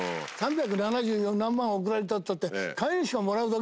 ３７０何万贈られたっつったって。